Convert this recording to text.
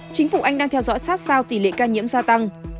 chính phủ anh đang theo dõi sát sao tỷ lệ ca nhiễm gia tăng